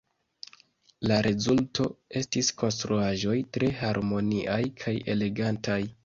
La rezulto estis konstruaĵoj tre harmoniaj kaj elegantaj.